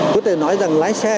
có thể nói rằng lái xe